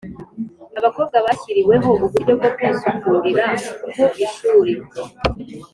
Abakobwa bashyiriweho uburyo bwo kwisukurira ku ishuri